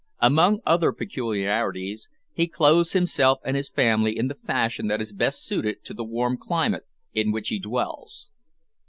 Among other peculiarities, he clothes himself and his family in the fashion that is best suited to the warm climate in which he dwells.